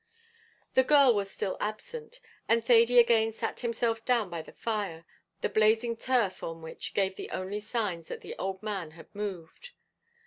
The girl was still absent, and Thady again sat himself down by the fire, the blazing turf on which gave the only signs that the old man had moved.